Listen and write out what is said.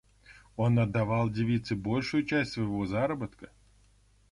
Он отдавал девице большую часть своего заработка.